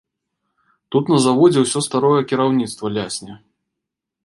Тут на заводзе ўсё старое кіраўніцтва лясне.